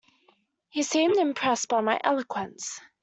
He seemed impressed by my eloquence.